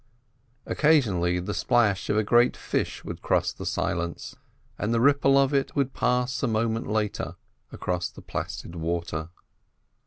Occasionally the splash of a great fish would cross the silence, and the ripple of it would pass a moment later across the placid water.